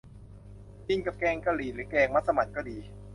กินกับแกงกะหรี่ หรือแกงมัสหมั่นก็ดี